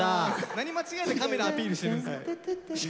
何間違えてカメラアピールしてる。